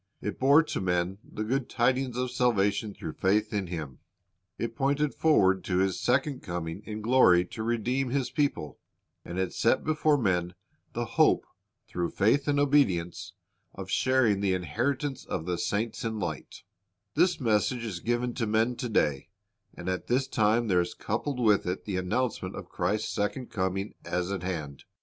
It bore to men the good tidings of saU'ation through faith in Him. It pointed forward to His second coming in glory to redeem i Matt. 21:31 ^ Acts 13:46 48 "6^<? into the H i ghzv ay s 227 His people, and it set before men the hope, through faith and obedience, of sharing the inheritance of the saints in hght. This message is gi\ en to men to day, and at tliis time there is coupled with it the announcement of Christ's second coming as at hand.